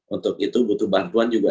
untuk itu butuh bantuan juga